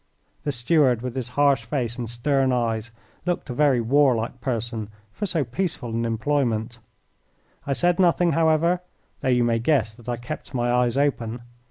This steward, with his harsh face and stern eyes, looked a very warlike person for so peaceful an employment. I said nothing, however, though you may guess that I kept my eyes open.